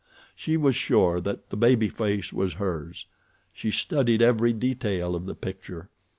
She was sure that the baby face was hers. She studied every detail of the picture.